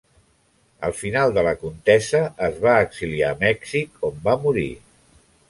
Al final de la contesa es va exiliar a Mèxic, on va morir.